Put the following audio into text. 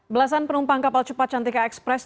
belasan penumpang kapal cepat cantika express